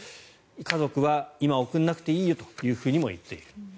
家族は今送らなくていいよとも言っている。